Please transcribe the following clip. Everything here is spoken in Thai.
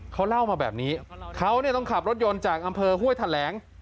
เขาเล่ามาแบบนี้เขาต้องขับรถยนต์จากอำเภอห้วยแถลง